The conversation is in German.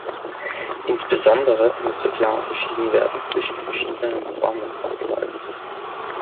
Insbesondere müsse klar unterschieden werden zwischen verschiedenen Formen von Gewalt.